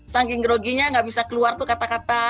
saking groginya gak bisa keluar tuh kata kata